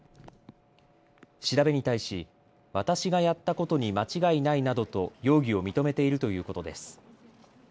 調べに対し、私がやったことに間違いないなどと容疑を認めているということです。